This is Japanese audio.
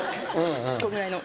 こんぐらいの。